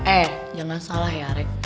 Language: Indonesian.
eh jangan salah ya rek